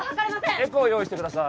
エコー用意してください